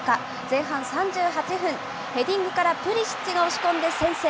前半３８分、ヘディングからプリシッチが押し込んで先制。